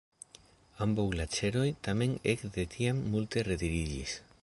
Ambaŭ glaĉeroj tamen ek de tiam multe retiriĝis.